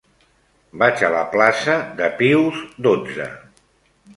Vaig a la plaça de Pius dotze.